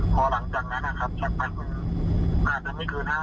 ประมาณนั้นครับแล้วผมก็เข้าไปแยก